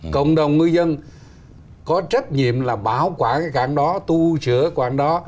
cộng đồng người dân có trách nhiệm là bảo quản cái cảng đó tu sửa cái cảng đó